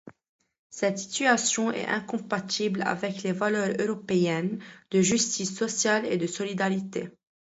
Cette situation est incompatible avec les valeurs européennes de justice sociale et de solidarité.